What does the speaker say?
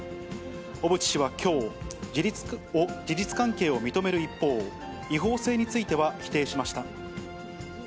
小渕氏はきょう、事実関係を認める一方、違法性については否定しました。